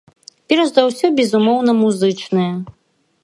Перш за ўсё, безумоўна, музычныя.